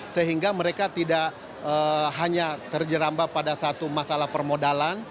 sehingga mereka tidak hanya terjeramba pada satu masalah permodalan